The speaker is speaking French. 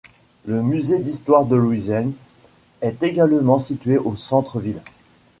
Le Musée d'Histoire de Louisiane est également situé au centre ville.